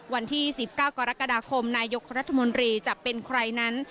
วันที่๑๙กรกฎาคมนายกรัฐมนตรีจะเป็นใครนั้น